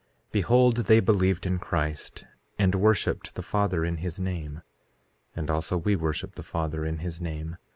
4:5 Behold, they believed in Christ and worshiped the Father in his name, and also we worship the Father in his name.